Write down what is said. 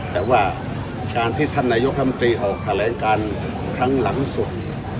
แต่ว่าการที่ท่านนายกรรมตรีออกแถลงการครั้งหลังสุด